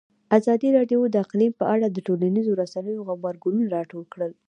ازادي راډیو د اقلیم په اړه د ټولنیزو رسنیو غبرګونونه راټول کړي.